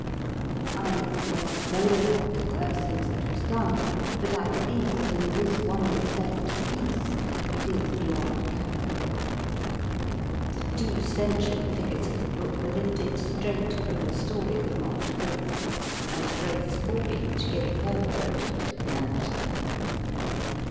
I have never verified the work since it was done, but I believe that in this one respect, at least, it is beyond cavil. The two central figures of the book were lifted straight from the story of Marsh Hall, and Grace Forbeach gave her quota to the narrative.